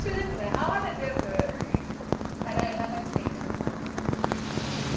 泡で全部洗い流していく。